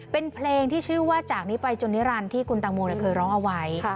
เป็นเพลงที่ชื่อว่าจากนี้ไปจนนิรันดิ์ที่คุณตังโมเคยร้องเอาไว้